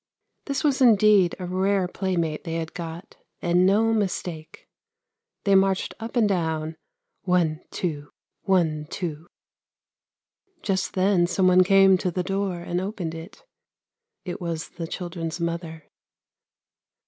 This was indeed a rare playmate they had got, and no mistake. They marched up and down, ' one, two ; one, two !' Just then someone came to the door and opened it, it was the children's mother.